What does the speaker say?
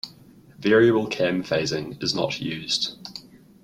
Variable cam phasing is not used.